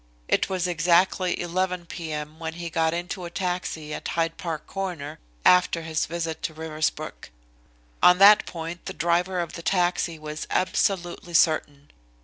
It was exactly 11 p.m. when he got into a taxi at Hyde Park Corner after his visit to Riversbrook. On that point the driver of the taxi was absolutely certain.